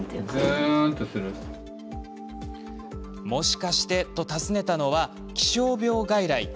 もしかしてと訪ねたのは気象病外来。